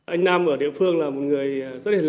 anh nam ở địa phương là một người rất là